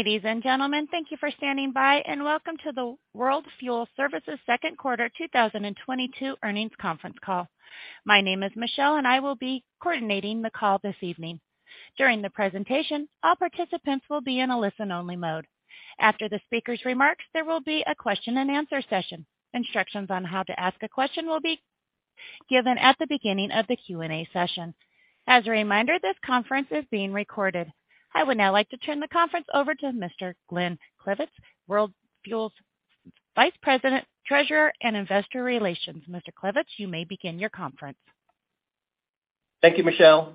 Ladies and gentlemen, thank you for standing by, and welcome to the World Fuel Services second quarter 2022 earnings conference call. My name is Michelle and I will be coordinating the call this evening. During the presentation, all participants will be in a listen only mode. After the speaker's remarks, there will be a question-and-answer session. Instructions on how to ask a question will be given at the beginning of the Q&A session. As a reminder, this conference is being recorded. I would now like to turn the conference over to Mr. Glenn Klevitz, World Fuel's Vice President, Treasurer, and Investor Relations. Mr. Klevitz, you may begin your conference. Thank you, Michelle.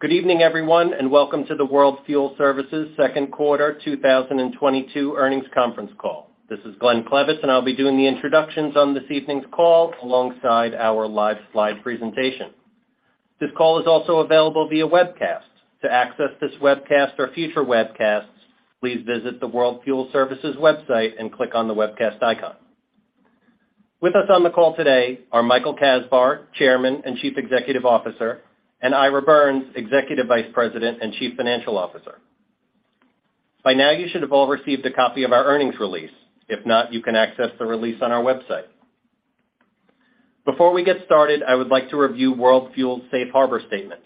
Good evening, everyone, and welcome to the World Fuel Services second quarter 2022 earnings conference call. This is Glenn Klevitz, and I'll be doing the introductions on this evening's call alongside our live slide presentation. This call is also available via webcast. To access this webcast or future webcasts, please visit the World Fuel Services website and click on the webcast icon. With us on the call today are Michael Kasbar, Chairman and Chief Executive Officer, and Ira Birns, Executive Vice President and Chief Financial Officer. By now you should have all received a copy of our earnings release. If not, you can access the release on our website. Before we get started, I would like to review World Fuel's safe harbor statement.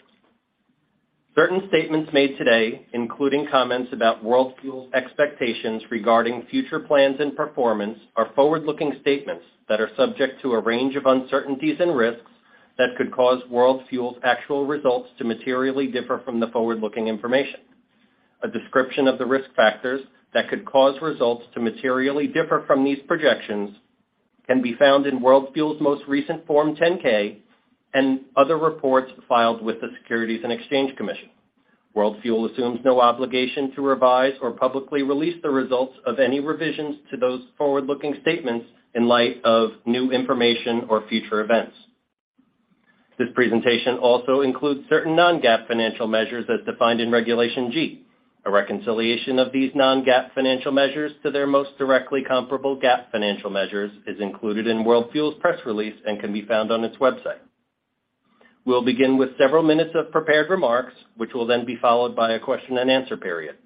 Certain statements made today, including comments about World Fuel's expectations regarding future plans and performance, are forward-looking statements that are subject to a range of uncertainties and risks that could cause World Fuel's actual results to materially differ from the forward-looking information. A description of the risk factors that could cause results to materially differ from these projections can be found in World Fuel's most recent Form 10-K and other reports filed with the Securities and Exchange Commission. World Fuel assumes no obligation to revise or publicly release the results of any revisions to those forward-looking statements in light of new information or future events. This presentation also includes certain non-GAAP financial measures as defined in Regulation G. A reconciliation of these non-GAAP financial measures to their most directly comparable GAAP financial measures is included in World Fuel's press release and can be found on its website. We'll begin with several minutes of prepared remarks, which will then be followed by a question-and-answer period.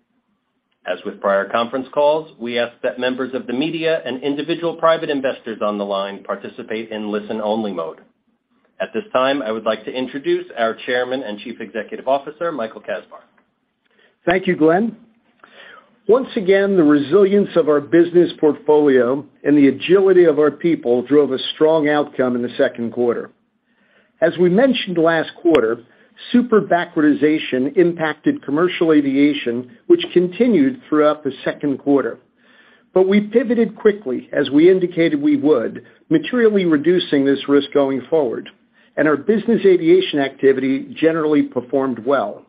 As with prior conference calls, we ask that members of the media and individual private investors on the line participate in listen-only mode. At this time, I would like to introduce our Chairman and Chief Executive Officer, Michael Kasbar. Thank you, Glenn. Once again, the resilience of our business portfolio and the agility of our people drove a strong outcome in the second quarter. As we mentioned last quarter, super backwardation impacted commercial aviation, which continued throughout the second quarter. We pivoted quickly, as we indicated we would, materially reducing this risk going forward, and our business aviation activity generally performed well.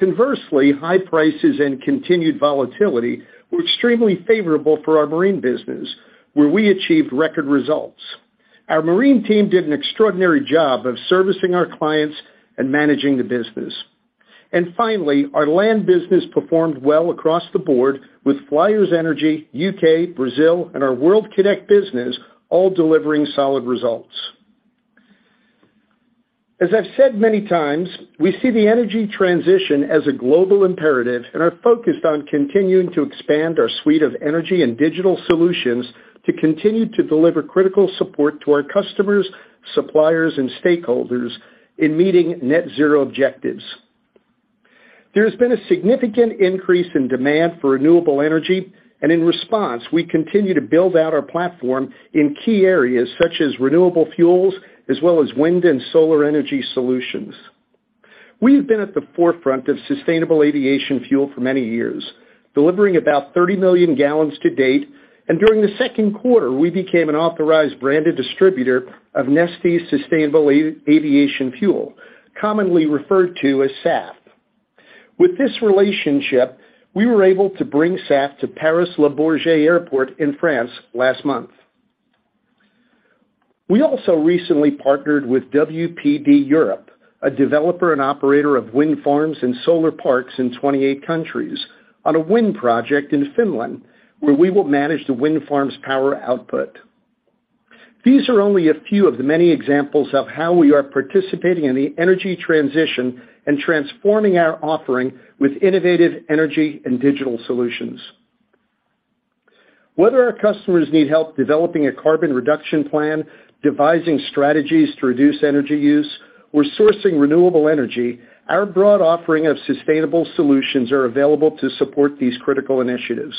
Conversely, high prices and continued volatility were extremely favorable for our marine business, where we achieved record results. Our marine team did an extraordinary job of servicing our clients and managing the business. Finally, our land business performed well across the board with Flyers Energy, U.K., Brazil, and our World Kinect business all delivering solid results. As I've said many times, we see the energy transition as a global imperative and are focused on continuing to expand our suite of energy and digital solutions to continue to deliver critical support to our customers, suppliers, and stakeholders in meeting net zero objectives. There has been a significant increase in demand for renewable energy, and in response, we continue to build out our platform in key areas such as renewable fuels as well as wind and solar energy solutions. We have been at the forefront of sustainable aviation fuel for many years, delivering about 30 million gallons to date. During the second quarter, we became an authorized branded distributor of Neste's sustainable aviation fuel, commonly referred to as SAF. With this relationship, we were able to bring SAF to Paris-Le Bourget Airport in France last month. We also recently partnered with wpd Europe, a developer and operator of wind farms and solar parks in 28 countries, on a wind project in Finland, where we will manage the wind farm's power output. These are only a few of the many examples of how we are participating in the energy transition and transforming our offering with innovative energy and digital solutions. Whether our customers need help developing a carbon reduction plan, devising strategies to reduce energy use, or sourcing renewable energy, our broad offering of sustainable solutions are available to support these critical initiatives.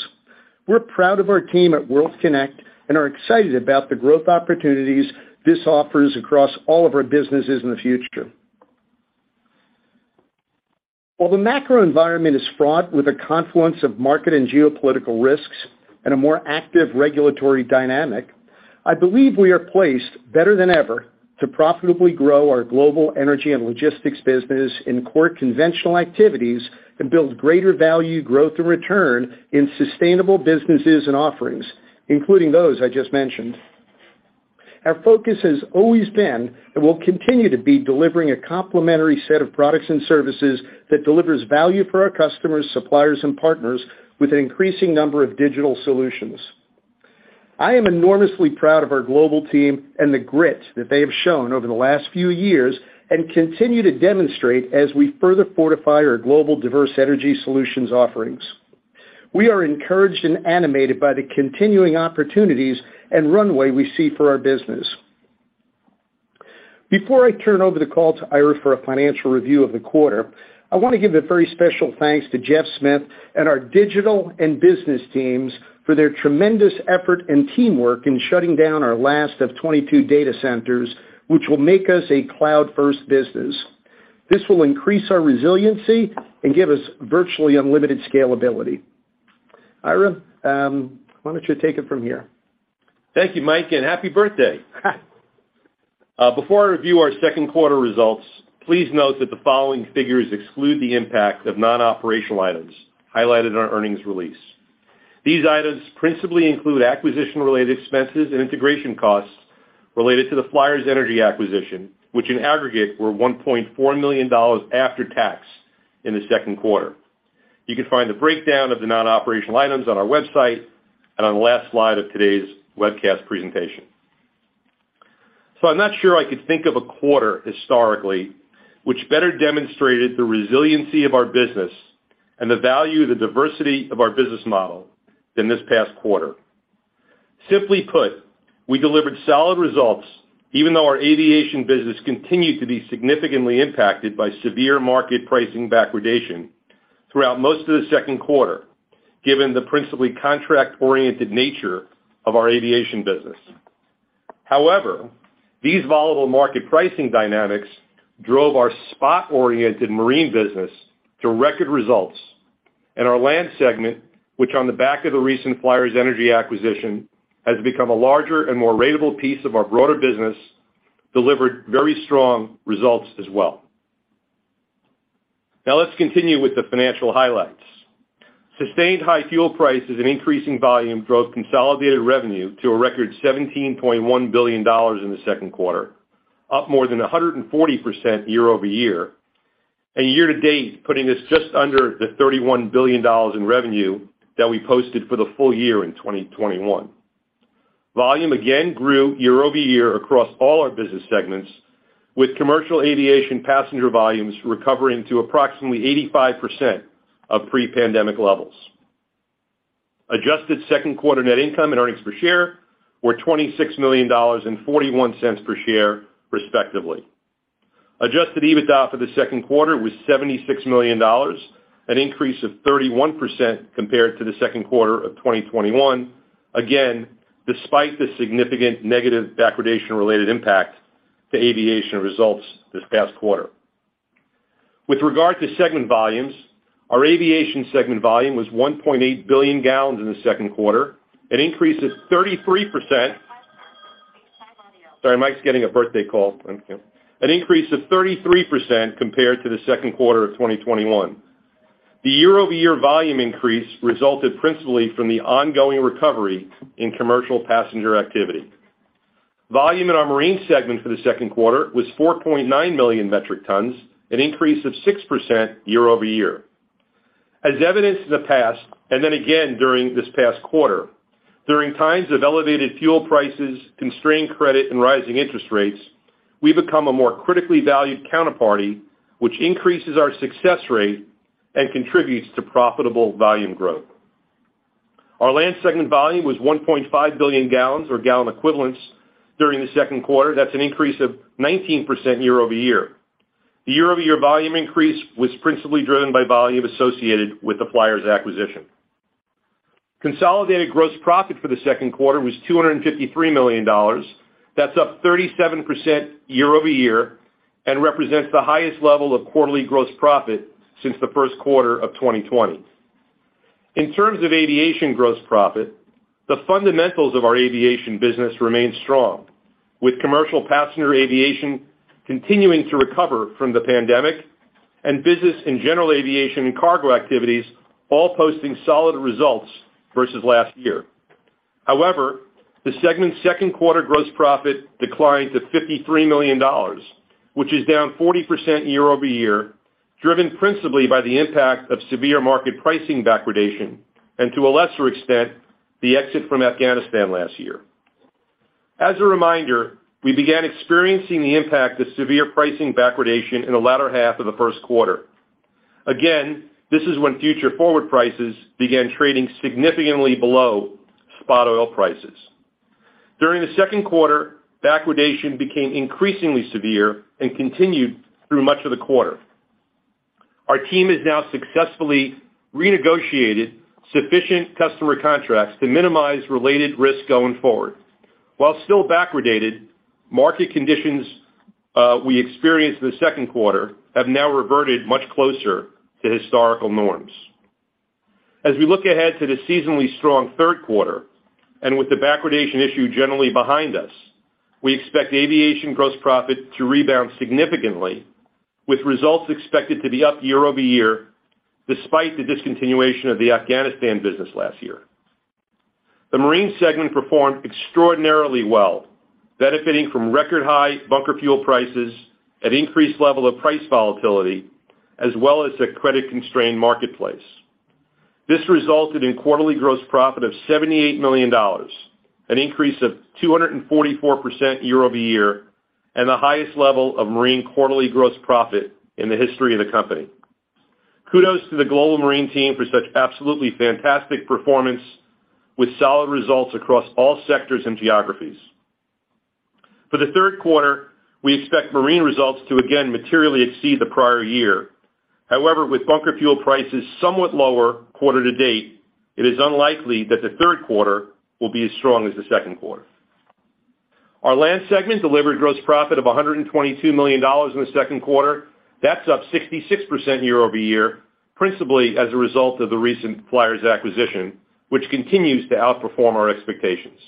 We're proud of our team at World Kinect and are excited about the growth opportunities this offers across all of our businesses in the future. While the macro environment is fraught with a confluence of market and geopolitical risks and a more active regulatory dynamic, I believe we are placed better than ever to profitably grow our global energy and logistics business in core conventional activities and build greater value, growth, and return in sustainable businesses and offerings, including those I just mentioned. Our focus has always been, and will continue to be, delivering a complementary set of products and services that delivers value for our customers, suppliers, and partners with an increasing number of digital solutions. I am enormously proud of our global team and the grit that they have shown over the last few years and continue to demonstrate as we further fortify our global diverse energy solutions offerings. We are encouraged and animated by the continuing opportunities and runway we see for our business. Before I turn over the call to Ira for a financial review of the quarter, I want to give a very special thanks to Jeff Smith and our digital and business teams for their tremendous effort and teamwork in shutting down our last of 22 data centers, which will make us a cloud-first business. This will increase our resiliency and give us virtually unlimited scalability. Ira, why don't you take it from here? Thank you, Mike, and happy birthday. Before I review our second quarter results, please note that the following figures exclude the impact of non-operational items highlighted in our earnings release. These items principally include acquisition-related expenses and integration costs related to the Flyers Energy acquisition, which in aggregate were $1.4 million after tax in the second quarter. You can find the breakdown of the non-operational items on our website and on the last slide of today's webcast presentation. I'm not sure I could think of a quarter historically which better demonstrated the resiliency of our business and the value of the diversity of our business model than this past quarter. Simply put, we delivered solid results even though our aviation business continued to be significantly impacted by severe market pricing backwardation throughout most of the second quarter, given the principally contract-oriented nature of our aviation business. However, these volatile market pricing dynamics drove our spot-oriented marine business to record results. Our land segment, which on the back of the recent Flyers Energy acquisition, has become a larger and more ratable piece of our broader business, delivered very strong results as well. Now let's continue with the financial highlights. Sustained high fuel prices and increasing volume drove consolidated revenue to a record $17.1 billion in the second quarter, up more than 140% year-over-year. Year to date, putting us just under the $31 billion in revenue that we posted for the full year in 2021. Volume again grew year-over-year across all our business segments, with commercial aviation passenger volumes recovering to approximately 85% of pre-pandemic levels. Adjusted second quarter net income and earnings per share were $26 million and $0.41 per share, respectively. Adjusted EBITDA for the second quarter was $76 million, an increase of 31% compared to the second quarter of 2021, again, despite the significant negative backwardation-related impact to aviation results this past quarter. With regard to segment volumes, our aviation segment volume was 1.8 billion gallons in the second quarter, an increase of 33% compared to the second quarter of 2021. The year-over-year volume increase resulted principally from the ongoing recovery in commercial passenger activity. Volume in our marine segment for the second quarter was 4.9 million metric tons, an increase of 6% year-over-year. As evidenced in the past, and then again during this past quarter, during times of elevated fuel prices, constrained credit, and rising interest rates, we become a more critically valued counterparty, which increases our success rate and contributes to profitable volume growth. Our land segment volume was 1.5 billion gallons or gallon equivalents during the second quarter. That's an increase of 19% year-over-year. The year-over-year volume increase was principally driven by volume associated with the Flyers Energy acquisition. Consolidated gross profit for the second quarter was $253 million. That's up 37% year-over-year and represents the highest level of quarterly gross profit since the first quarter of 2020. In terms of aviation gross profit, the fundamentals of our aviation business remain strong, with commercial passenger aviation continuing to recover from the pandemic and business and general aviation and cargo activities all posting solid results versus last year. However, the segment's second quarter gross profit declined to $53 million, which is down 40% year-over-year, driven principally by the impact of severe market pricing backwardation and, to a lesser extent, the exit from Afghanistan last year. As a reminder, we began experiencing the impact of severe pricing backwardation in the latter half of the first quarter. Again, this is when future forward prices began trading significantly below spot oil prices. During the second quarter, backwardation became increasingly severe and continued through much of the quarter. Our team has now successfully renegotiated sufficient customer contracts to minimize related risk going forward. While still backwardated, market conditions we experienced in the second quarter have now reverted much closer to historical norms. As we look ahead to the seasonally strong third quarter, and with the backwardation issue generally behind us, we expect aviation gross profit to rebound significantly with results expected to be up year-over-year despite the discontinuation of the Afghanistan business last year. The marine segment performed extraordinarily well. Benefiting from record high bunker fuel prices and increased level of price volatility, as well as a credit-constrained marketplace. This resulted in quarterly gross profit of $78 million, an increase of 244% year-over-year, and the highest level of marine quarterly gross profit in the history of the company. Kudos to the Global Marine team for such absolutely fantastic performance with solid results across all sectors and geographies. For the third quarter, we expect marine results to again materially exceed the prior year. However, with bunker fuel prices somewhat lower quarter to date, it is unlikely that the third quarter will be as strong as the second quarter. Our land segment delivered gross profit of $122 million in the second quarter. That's up 66% year-over-year, principally as a result of the recent Flyers Energy acquisition, which continues to outperform our expectations.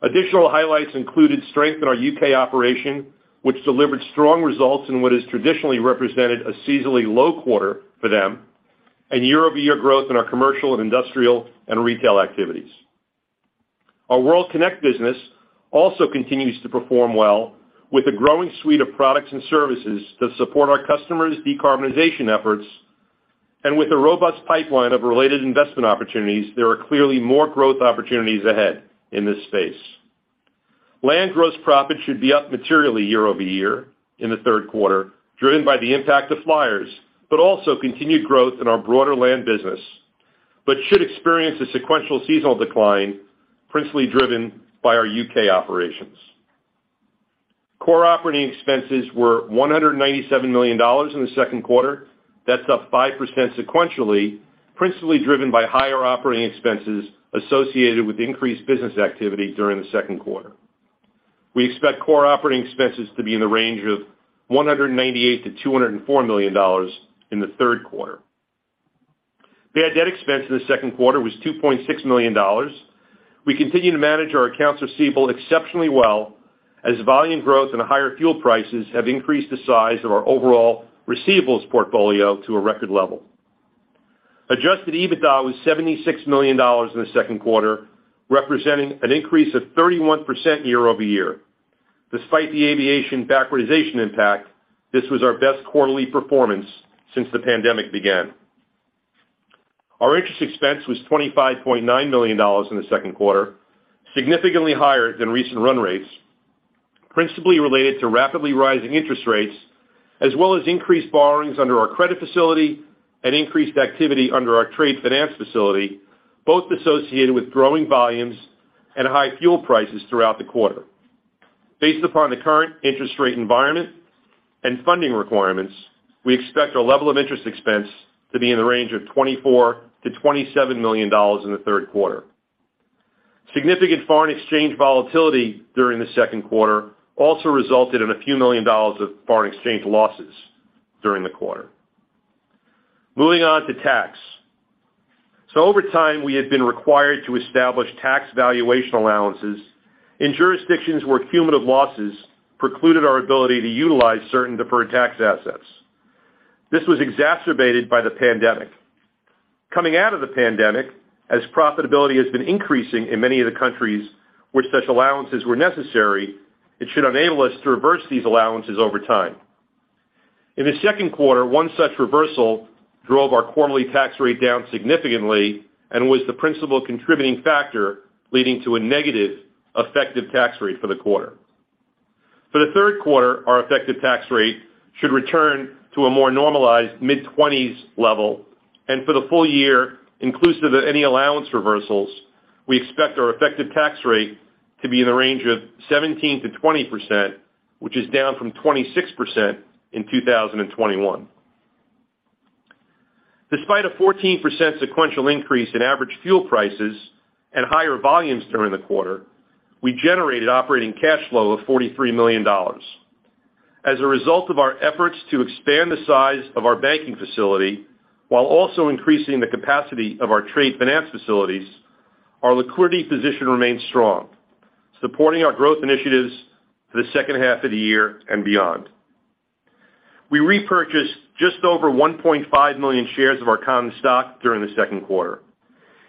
Additional highlights included strength in our U.K. operation, which delivered strong results in what is traditionally a seasonally low quarter for them, and year-over-year growth in our commercial and industrial and retail activities. Our World Kinect business also continues to perform well with a growing suite of products and services to support our customers' decarbonization efforts. With a robust pipeline of related investment opportunities, there are clearly more growth opportunities ahead in this space. Land gross profit should be up materially year-over-year in the third quarter, driven by the impact of Flyers, but also continued growth in our broader land business, but should experience a sequential seasonal decline, principally driven by our U.K. operations. Core operating expenses were $197 million in the second quarter. That's up 5% sequentially, principally driven by higher operating expenses associated with increased business activity during the second quarter. We expect core operating expenses to be in the range of $198 million-$204 million in the third quarter. Bad debt expense in the second quarter was $2.6 million. We continue to manage our accounts receivable exceptionally well as volume growth and higher fuel prices have increased the size of our overall receivables portfolio to a record level. Adjusted EBITDA was $76 million in the second quarter, representing an increase of 31% year-over-year. Despite the aviation backwardation impact, this was our best quarterly performance since the pandemic began. Our interest expense was $25.9 million in the second quarter, significantly higher than recent run rates, principally related to rapidly rising interest rates, as well as increased borrowings under our credit facility and increased activity under our trade finance facility, both associated with growing volumes and high fuel prices throughout the quarter. Based upon the current interest rate environment and funding requirements, we expect our level of interest expense to be in the range of $24 million-$27 million in the third quarter. Significant foreign exchange volatility during the second quarter also resulted in a few million dollar of foreign exchange losses during the quarter. Moving on to tax. Over time, we have been required to establish tax valuation allowances in jurisdictions where cumulative losses precluded our ability to utilize certain deferred tax assets. This was exacerbated by the pandemic. Coming out of the pandemic, as profitability has been increasing in many of the countries where such allowances were necessary, it should enable us to reverse these allowances over time. In the second quarter, one such reversal drove our quarterly tax rate down significantly and was the principal contributing factor leading to a negative effective tax rate for the quarter. For the third quarter, our effective tax rate should return to a more normalized mid-20s level, and for the full year, inclusive of any allowance reversals, we expect our effective tax rate to be in the range of 17%-20%, which is down from 26% in 2021. Despite a 14% sequential increase in average fuel prices and higher volumes during the quarter, we generated operating cash flow of $43 million. As a result of our efforts to expand the size of our banking facility while also increasing the capacity of our trade finance facilities, our liquidity position remains strong, supporting our growth initiatives for the second half of the year and beyond. We repurchased just over 1.5 million shares of our common stock during the second quarter,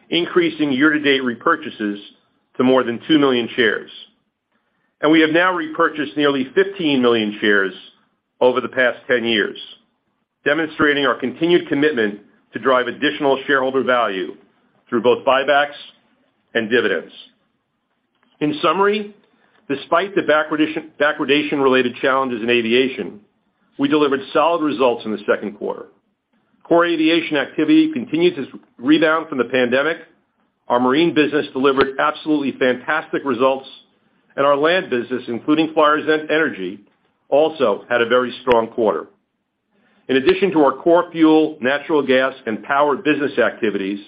increasing year-to-date repurchases to more than 2 million shares. We have now repurchased nearly 15 million shares over the past 10 years, demonstrating our continued commitment to drive additional shareholder value through both buybacks and dividends. In summary, despite the backwardation-related challenges in aviation, we delivered solid results in the second quarter. Core aviation activity continues to rebound from the pandemic. Our marine business delivered absolutely fantastic results, and our land business, including Flyers Energy, also had a very strong quarter. In addition to our core fuel, natural gas, and power business activities,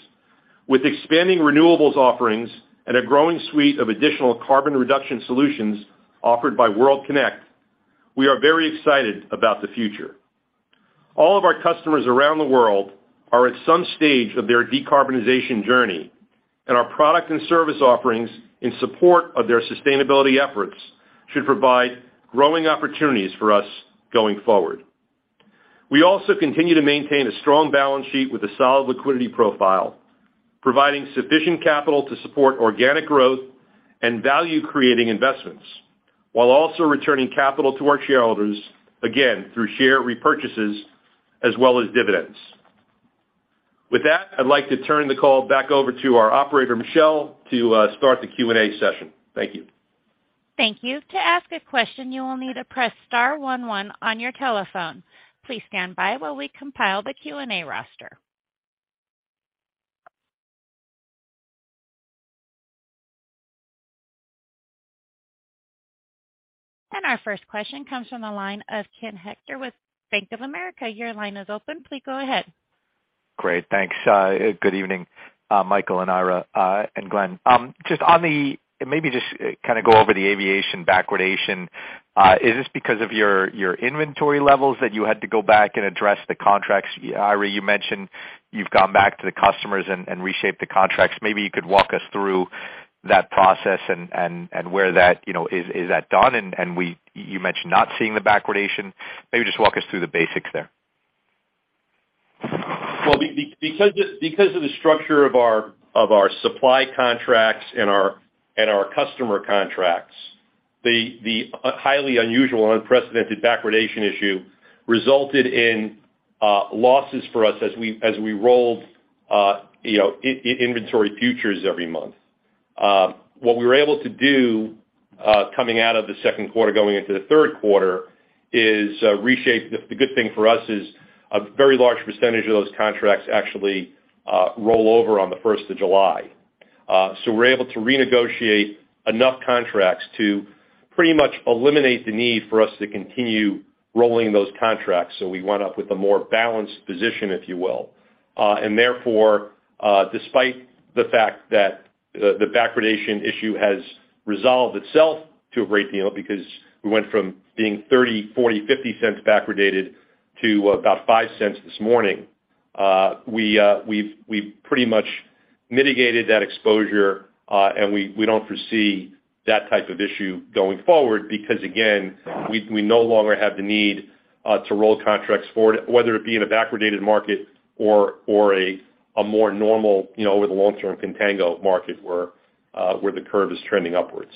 with expanding renewables offerings and a growing suite of additional carbon reduction solutions offered by World Kinect, we are very excited about the future. All of our customers around the world are at some stage of their decarbonization journey, and our product and service offerings in support of their sustainability efforts should provide growing opportunities for us going forward. We also continue to maintain a strong balance sheet with a solid liquidity profile, providing sufficient capital to support organic growth and value-creating investments while also returning capital to our shareholders, again through share repurchases as well as dividends. With that, I'd like to turn the call back over to our operator, Michelle, to start the Q&A session. Thank you. Thank you. To ask a question, you will need to press star one one on your telephone. Please stand by while we compile the Q&A roster. Our first question comes from the line of Ken Hoexter with Bank of America. Your line is open. Please go ahead. Great. Thanks. Good evening, Michael and Ira, and Glenn. Maybe just kind of go over the aviation backwardation. Is this because of your inventory levels that you had to go back and address the contracts? Ira, you mentioned you've gone back to the customers and reshaped the contracts. Maybe you could walk us through that process and where that, you know, is that done? You mentioned not seeing the backwardation. Maybe just walk us through the basics there. Well, because of the structure of our supply contracts and our customer contracts, the highly unusual unprecedented backwardation issue resulted in losses for us as we rolled, you know, inventory futures every month. What we were able to do, coming out of the second quarter going into the third quarter, is reshape. The good thing for us is a very large percentage of those contracts actually roll over on the first of July. We're able to renegotiate enough contracts to pretty much eliminate the need for us to continue rolling those contracts. We wind up with a more balanced position, if you will. Therefore, despite the fact that the backwardation issue has resolved itself to a great deal because we went from being $0.30, $0.40, $0.50 backwardated to about $0.05 this morning. We've pretty much mitigated that exposure, and we don't foresee that type of issue going forward because again we no longer have the need to roll contracts forward, whether it be in a backwardated market or a more normal, you know, with a long-term contango market where the curve is trending upwards.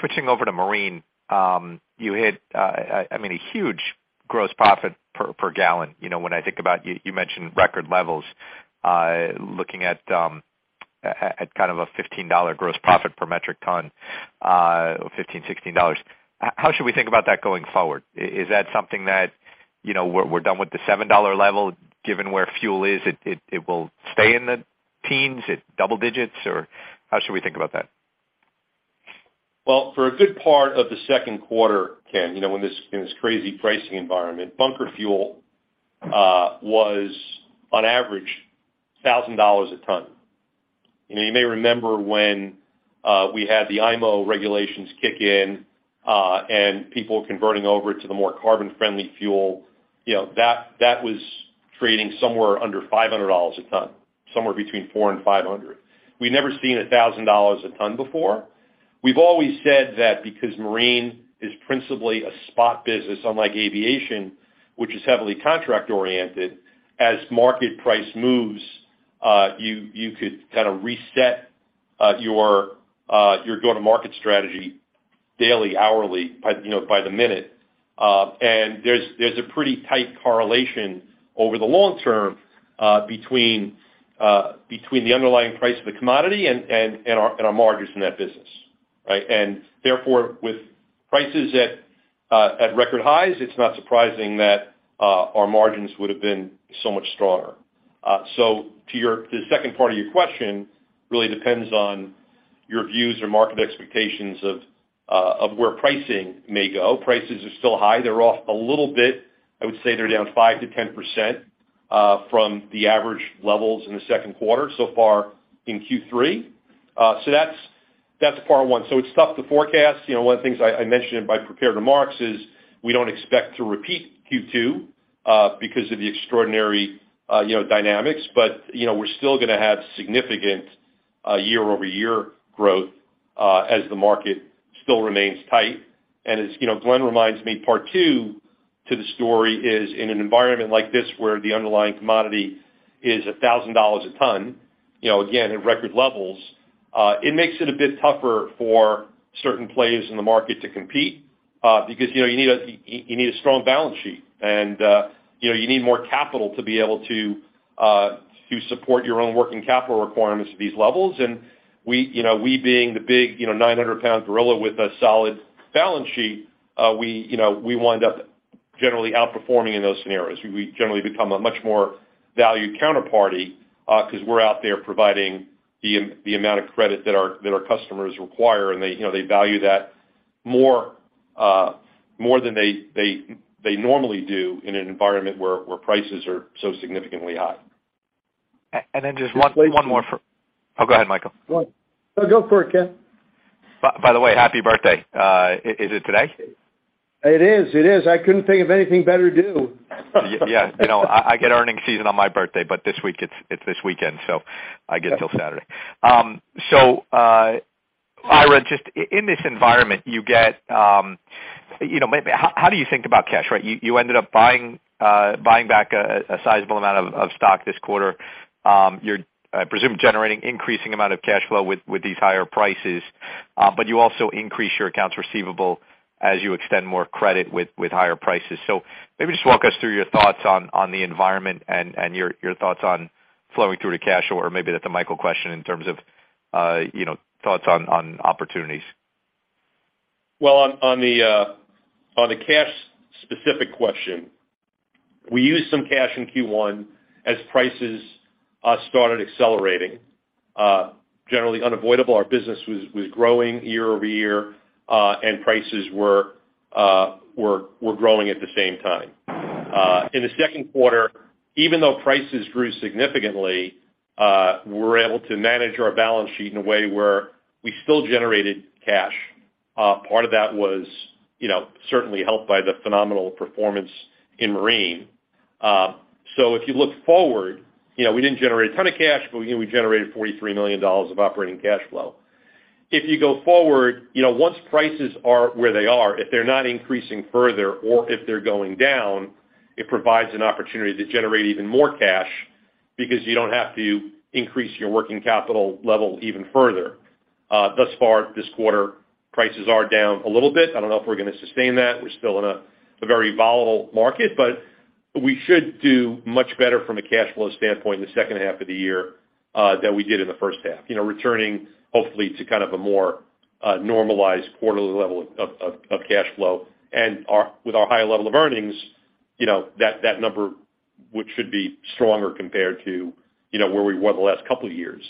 Switching over to marine. I mean, a huge gross profit per gallon. You know, when I think about you mentioned record levels, looking at kind of a $15 gross profit per metric ton, $15, $16. How should we think about that going forward? Is that something that, you know, we're done with the $7 level, given where fuel is, it will stay in the teens at double digits, or how should we think about that? Well, for a good part of the second quarter, Ken, you know, in this crazy pricing environment, bunker fuel was on average $1,000 a ton. You know, you may remember when we had the IMO regulations kick in, and people converting over to the more carbon friendly fuel, you know, that was trading somewhere under $500 a ton, somewhere between $400 and $500. We've never seen a $1,000 a ton before. We've always said that because marine is principally a spot business, unlike aviation, which is heavily contract oriented. As market price moves, you could kind of reset your go-to-market strategy daily, hourly by, you know, by the minute. There's a pretty tight correlation over the long term between the underlying price of the commodity and our margins in that business, right? Therefore, with prices at record highs, it's not surprising that our margins would have been so much stronger. To the second part of your question, it really depends on your views or market expectations of where pricing may go. Prices are still high. They're off a little bit. I would say they're down 5%-10% from the average levels in the second quarter so far in Q3. That's part one. It's tough to forecast. You know, one of the things I mentioned in my prepared remarks is we don't expect to repeat Q2 because of the extraordinary, you know, dynamics. You know, we're still gonna have significant year-over-year growth as the market still remains tight. As you know, Glenn reminds me, part two to the story is in an environment like this where the underlying commodity is $1,000 a ton, you know, again at record levels. It makes it a bit tougher for certain players in the market to compete because you know, you need a strong balance sheet and you know, you need more capital to be able to support your own working capital requirements at these levels. We, you know, being the big, you know, 900 lbs gorilla with a solid balance sheet, we, you know, wind up generally outperforming in those scenarios. We generally become a much more valued counterparty, because we're out there providing the amount of credit that our customers require, and they, you know, they value that more, more than they normally do in an environment where prices are so significantly high. Just one more. Oh, go ahead, Michael. No, go for it, Ken. By the way, happy birthday. Is it today? It is. I couldn't think of anything better to do. Yeah, you know, I get earnings season on my birthday, but this week it's this weekend, so I get till Saturday. Ira, just in this environment, you get, you know, maybe how do you think about cash, right? You ended up buying back a sizable amount of stock this quarter. You're, I presume, generating increasing amount of cash flow with these higher prices, but you also increase your accounts receivable as you extend more credit with higher prices. Maybe just walk us through your thoughts on the environment and your thoughts on flowing through to cash or maybe that's a Michael question in terms of, you know, thoughts on opportunities. On the cash specific question, we used some cash in Q1 as prices started accelerating. Generally unavoidable. Our business was growing year-over-year, and prices were growing at the same time. In the second quarter, even though prices grew significantly, we were able to manage our balance sheet in a way where we still generated cash. Part of that was, you know, certainly helped by the phenomenal performance in marine. If you look forward, you know, we didn't generate a ton of cash, but, you know, we generated $43 million of operating cash flow. If you go forward, you know, once prices are where they are, if they're not increasing further or if they're going down, it provides an opportunity to generate even more cash because you don't have to increase your working capital level even further. Thus far this quarter, prices are down a little bit. I don't know if we're gonna sustain that. We're still in a very volatile market, but we should do much better from a cash flow standpoint in the second half of the year than we did in the first half, you know, returning hopefully to kind of a more normalized quarterly level of cash flow. With our high level of earnings, you know, that number, which should be stronger compared to, you know, where we were the last couple of years,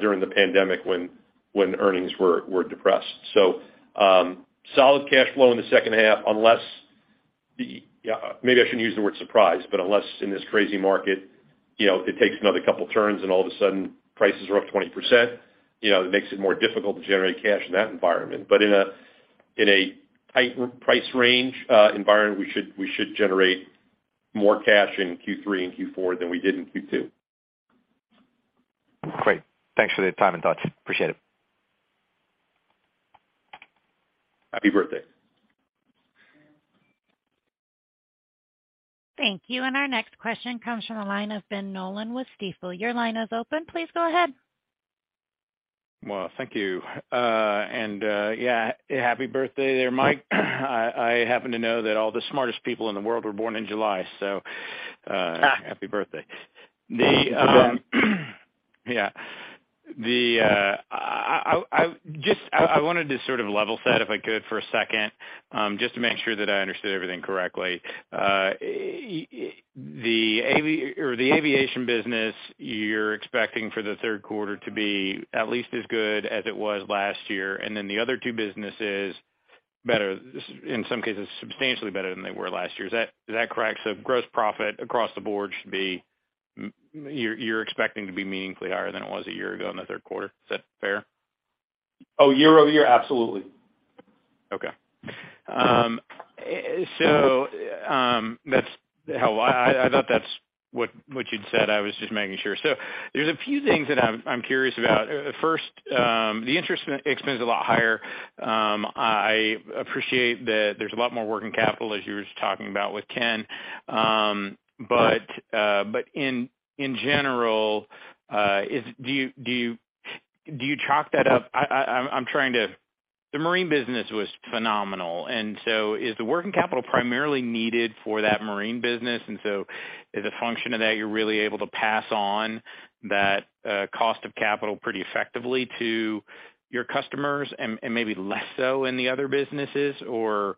during the pandemic when earnings were depressed. Solid cash flow in the second half unless yeah, maybe I shouldn't use the word surprise, but unless in this crazy market, you know, it takes another couple turns and all of a sudden prices are up 20%, you know, it makes it more difficult to generate cash in that environment. In a tight price range environment, we should generate more cash in Q3 and Q4 than we did in Q2. Great. Thanks for the time and thoughts. Appreciate it. Happy birthday. Thank you. Our next question comes from the line of Ben Nolan with Stifel. Your line is open. Please go ahead. Well, thank you. Happy birthday there, Mike. I happen to know that all the smartest people in the world were born in July, so happy birthday. I wanted to sort of level set, if I could, for a second, just to make sure that I understood everything correctly. The aviation business, you're expecting for the third quarter to be at least as good as it was last year, and then the other two businesses better, in some cases, substantially better than they were last year. Is that correct? Gross profit across the board you're expecting to be meaningfully higher than it was a year ago in the third quarter. Is that fair? Oh, year-over-year, absolutely. Okay. That's how I thought that's what you'd said. I was just making sure. There's a few things that I'm curious about. First, the interest expense is a lot higher. I appreciate that there's a lot more working capital as you were just talking about with Ken. But in general, do you chalk that up? I'm trying to. The marine business was phenomenal, and so is the working capital primarily needed for that marine business? As a function of that, you're really able to pass on that cost of capital pretty effectively to your customers and maybe less so in the other businesses? Or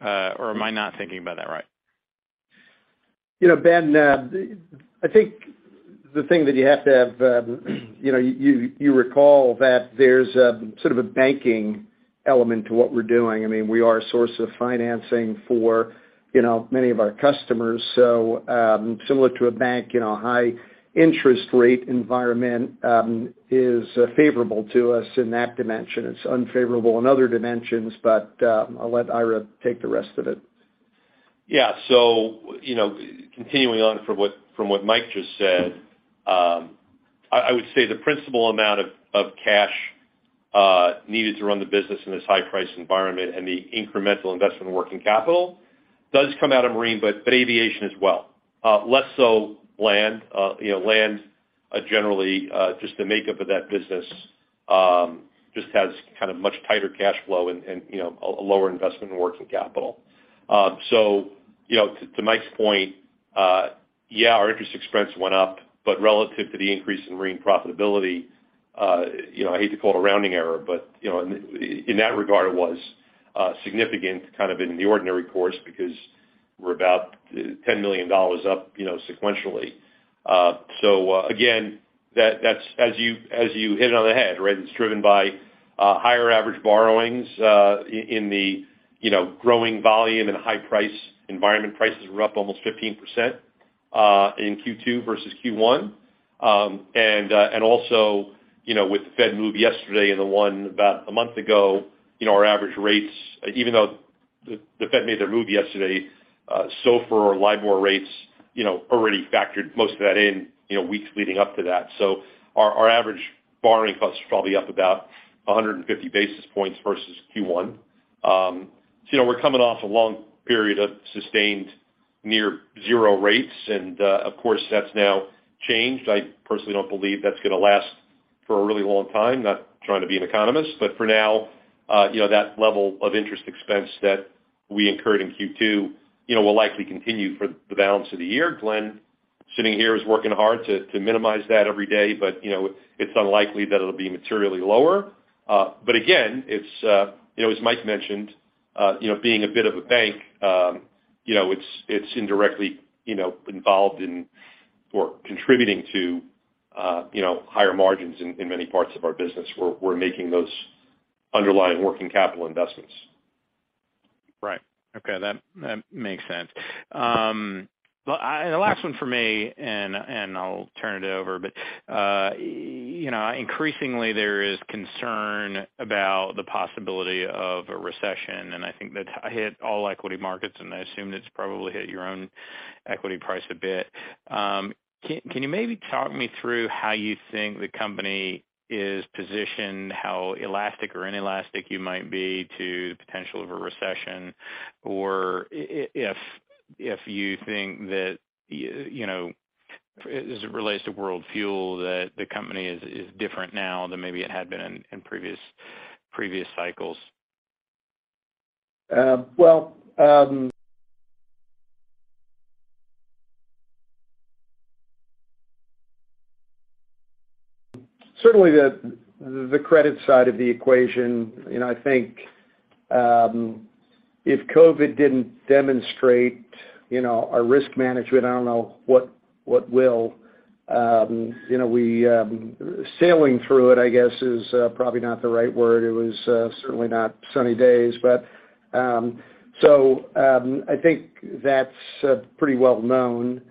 am I not thinking about that right? You know, Ben, I think the thing that you have to have, you know, you recall that there's a sort of a banking element to what we're doing. I mean, we are a source of financing for, you know, many of our customers. Similar to a bank, you know, high interest rate environment is favorable to us in that dimension. It's unfavorable in other dimensions, but I'll let Ira take the rest of it. Yeah. You know, continuing on from what Mike just said, I would say the principal amount of cash needed to run the business in this high price environment and the incremental investment working capital does come out of marine, but aviation as well. Less so land. You know, land, generally, just the makeup of that business, just has kind of much tighter cash flow and, you know, a lower investment in working capital. You know, to Mike's point, yeah, our interest expense went up, but relative to the increase in marine profitability, you know, I hate to call it a rounding error, but, you know, in that regard, it was significant, kind of in the ordinary course because we're about $10 million up, you know, sequentially. Again, that's as you hit it on the head, right? It's driven by higher average borrowings in the growing volume and a high price environment. Prices were up almost 15% in Q2 versus Q1. Also, you know, with the Fed move yesterday and the one about a month ago, you know, our average rates. The Fed made their move yesterday. SOFR or LIBOR rates, you know, already factored most of that in, you know, weeks leading up to that. Our average borrowing costs are probably up about 150 basis points versus Q1. So you know, we're coming off a long period of sustained near zero rates. Of course, that's now changed. I personally don't believe that's gonna last for a really long time, not trying to be an economist, but for now, you know, that level of interest expense that we incurred in Q2, you know, will likely continue for the balance of the year. Glenn, sitting here, is working hard to minimize that every day, but you know, it's unlikely that it'll be materially lower. Again, it's you know, as Mike mentioned, you know, being a bit of a bank, you know, it's indirectly you know, involved in or contributing to you know, higher margins in many parts of our business. We're making those underlying working capital investments. Right. Okay. That makes sense. Well, the last one for me, and I'll turn it over. You know, increasingly there is concern about the possibility of a recession, and I think that hit all equity markets, and I assume it's probably hit your own equity price a bit. Can you maybe talk me through how you think the company is positioned, how elastic or inelastic you might be to the potential of a recession? Or if you think that, you know, as it relates to World Fuel, that the company is different now than maybe it had been in previous cycles? Certainly the credit side of the equation, you know, I think if COVID didn't demonstrate, you know, our risk management, I don't know what will. You know, sailing through it, I guess, is probably not the right word. It was certainly not sunny days. I think that's pretty well known.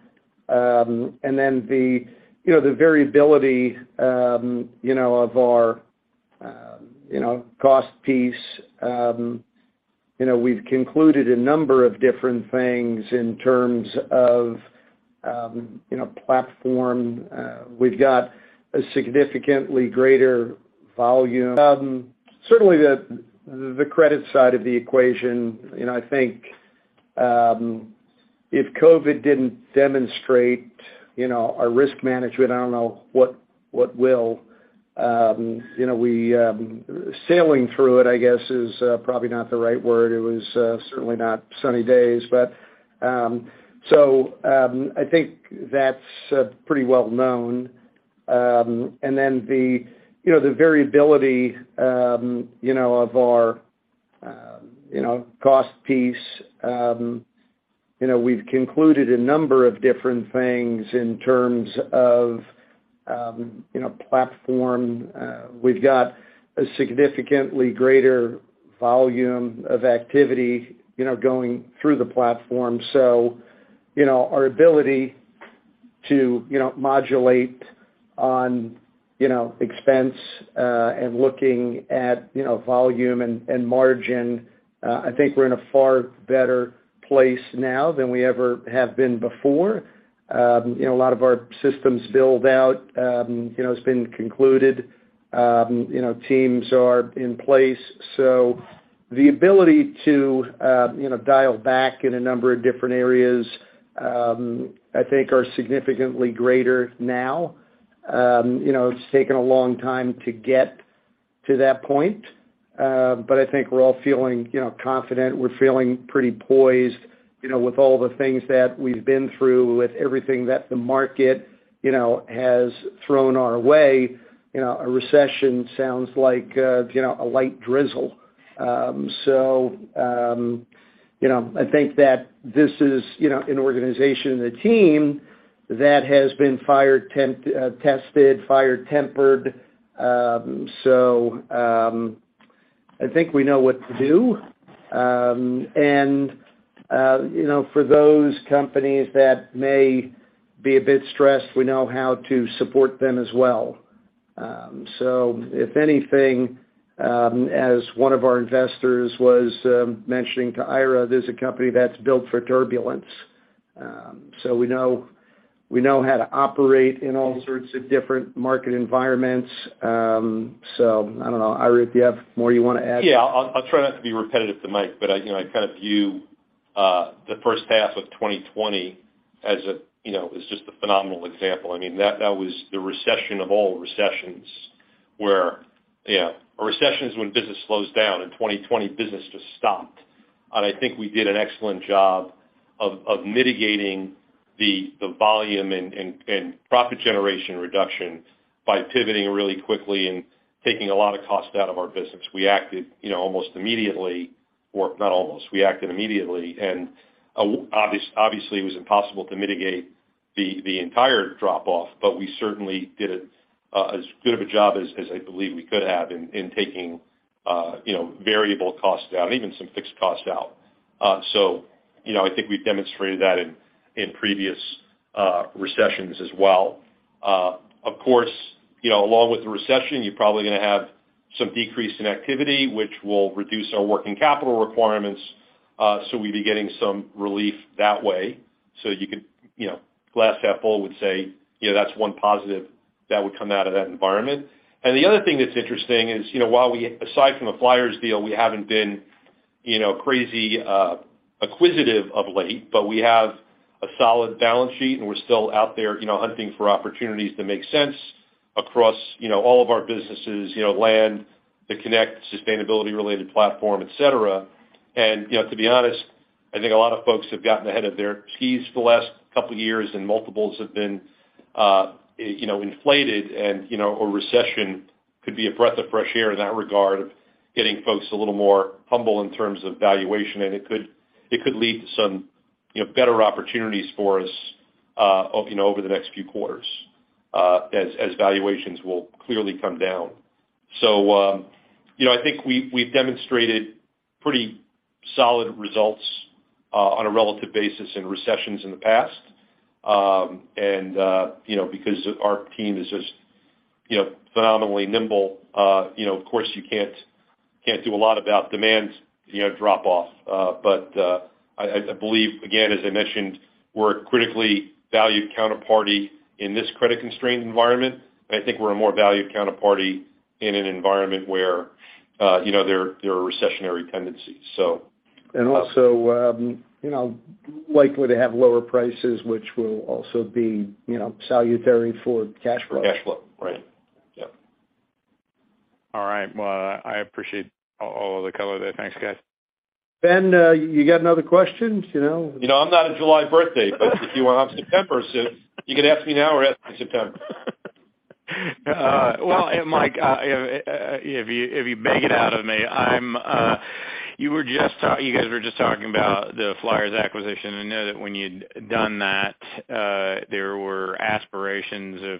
The variability, you know, of our, you know, cost piece, you know, we've concluded a number of different things in terms of, you know, platform. We've got a significantly greater volume. Certainly the credit side of the equation, you know, I think if COVID didn't demonstrate, you know, our risk management, I don't know what will. You know, we're sailing through it, I guess, is probably not the right word. It was certainly not sunny days. I think that's pretty well known. Then the variability you know, of our you know, cost piece you know, we've concluded a number of different things in terms of you know, platform. We've got a significantly greater volume of activity, you know, going through the platform. You know, our ability to you know, modulate on you know, expense and looking at you know, volume and margin I think we're in a far better place now than we ever have been before. You know, a lot of our systems build out you know, has been concluded. You know, teams are in place. The ability to, you know, dial back in a number of different areas, I think are significantly greater now. You know, it's taken a long time to get to that point, but I think we're all feeling, you know, confident. We're feeling pretty poised. You know, with all the things that we've been through, with everything that the market, you know, has thrown our way, you know, a recession sounds like, you know, a light drizzle. You know, I think that this is, you know, an organization and a team that has been fire-tested, fire-tempered. I think we know what to do. You know, for those companies that may be a bit stressed, we know how to support them as well. If anything, as one of our investors was mentioning to Ira, this is a company that's built for turbulence. We know how to operate in all sorts of different market environments. I don't know. Ira, if you have more you wanna add? Yeah. I'll try not to be repetitive to Mike, but you know, I kind of view the first half of 2020 as just a phenomenal example. I mean, that was the recession of all recessions where you know, a recession is when business slows down. In 2020, business just stopped. I think we did an excellent job of mitigating the volume and profit generation reduction by pivoting really quickly and taking a lot of cost out of our business. We acted immediately. Obviously, it was impossible to mitigate the entire drop off, but we certainly did as good of a job as I believe we could have in taking variable costs down and even some fixed costs out. You know, I think we've demonstrated that in previous recessions as well. Of course, you know, along with the recession, you're probably gonna have some decrease in activity, which will reduce our working capital requirements, so we'd be getting some relief that way. You could, you know, glass half full would say, you know, that's one positive that would come out of that environment. The other thing that's interesting is, you know, while we, aside from the Flyers Energy deal, we haven't been, you know, crazy, acquisitive of late, but we have a solid balance sheet, and we're still out there, you know, hunting for opportunities that make sense across, you know, all of our businesses, you know, land, the Kinect, sustainability-related platform, et cetera. You know, to be honest, I think a lot of folks have gotten ahead of their skis the last couple years, and multiples have been, you know, inflated and, you know, a recession could be a breath of fresh air in that regard of getting folks a little more humble in terms of valuation. It could lead to some, you know, better opportunities for us, you know, over the next few quarters, as valuations will clearly come down. You know, I think we've demonstrated pretty solid results on a relative basis in recessions in the past. You know, because our team is just, you know, phenomenally nimble, you know, of course you can't do a lot about demand, you know, drop off. I believe, again, as I mentioned, we're a critically valued counterparty in this credit-constrained environment, and I think we're a more valued counterparty in an environment where, you know, there are recessionary tendencies. Also, you know, likely to have lower prices, which will also be, you know, salutary for cash flow. Cash flow. Right. Yep. All right. Well, I appreciate all the color there. Thanks, guys. Ben, you got another question? You know. You know, I'm not a July birthday, but if you want, I'm September, so you can ask me now or ask me in September. Well, Mike, if you beg it out of me, you guys were just talking about the Flyers Energy acquisition. I know that when you'd done that, there were aspirations of,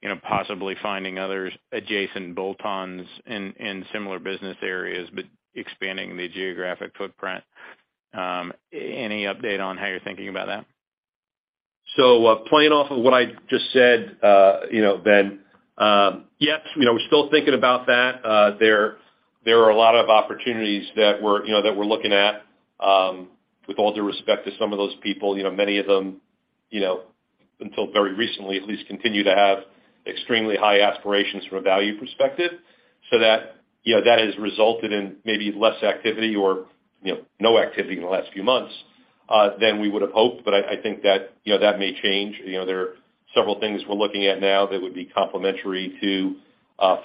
you know, possibly finding others adjacent bolt-ons in similar business areas, but expanding the geographic footprint. Any update on how you're thinking about that? Playing off of what I just said, you know, Ben, yes, you know, we're still thinking about that. There are a lot of opportunities that we're looking at. With all due respect to some of those people, you know, many of them, you know, until very recently at least, continue to have extremely high aspirations from a value perspective. That has resulted in maybe less activity or, you know, no activity in the last few months than we would've hoped. I think that may change. You know, there are several things we're looking at now that would be complementary to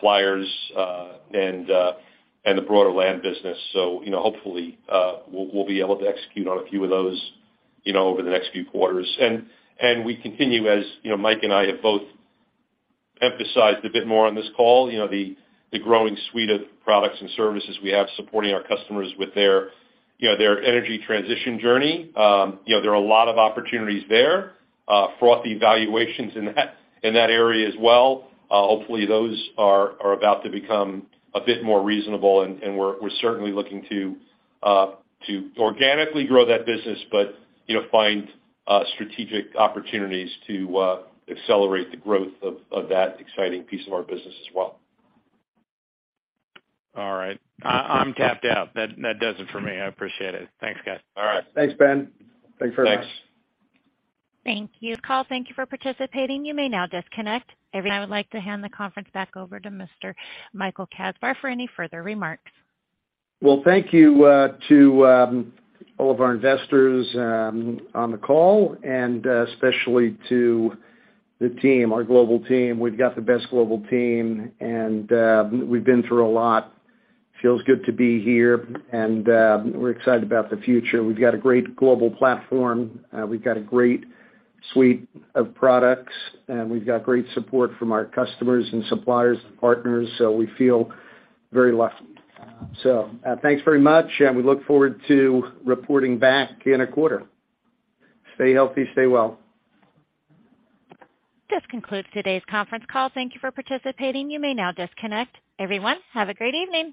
Flyers and the broader land business. You know, hopefully, we'll be able to execute on a few of those, you know, over the next few quarters. We continue, as you know, Mike and I have both emphasized a bit more on this call, you know, the growing suite of products and services we have supporting our customers with their, you know, their energy transition journey. You know, there are a lot of opportunities there, frothy valuations in that area as well. Hopefully, those are about to become a bit more reasonable, and we're certainly looking to organically grow that business, but, you know, find strategic opportunities to accelerate the growth of that exciting piece of our business as well. All right. I'm tapped out. That does it for me. I appreciate it. Thanks, guys. All right. Thanks, Ben. Thanks very much. Thanks. Thank you. Call, thank you for participating. You may now disconnect. Everyone, I would like to hand the conference back over to Mr. Michael Kasbar for any further remarks. Well, thank you to all of our investors on the call and especially to the team, our global team. We've got the best global team and we've been through a lot. Feels good to be here and we're excited about the future. We've got a great global platform. We've got a great suite of products, and we've got great support from our customers and suppliers and partners, so we feel very lucky. Thanks very much, and we look forward to reporting back in a quarter. Stay healthy, stay well. This concludes today's conference call. Thank you for participating. You may now disconnect. Everyone, have a great evening.